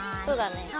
そうだね。